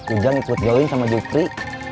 ujang ikut going sama jupri